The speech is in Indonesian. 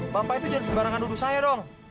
bapak itu jadi sembarangan duduk saya dong